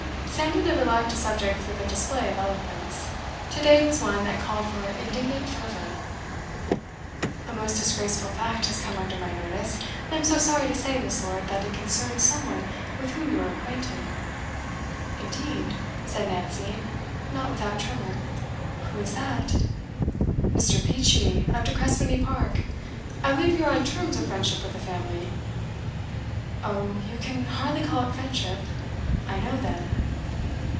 Samuel never lacked a subject for the display of eloquence. Today it was one that called for indignant fervour. 'A most disgraceful fact has come under my notice, and I am sorry to say, Miss. Lord, that it concerns some one with whom you are acquainted.' 'Indeed?' said Nancy, not without tremor. 'Who is that?' 'Mr. Peachey, of De Crespigny Park. I believe you are on terms of friendship with the family.' 'Oh, you can hardly call it friendship. I know them.